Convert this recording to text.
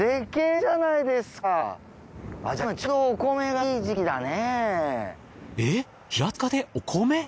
じゃあ今ちょうどお米がいい時期だね。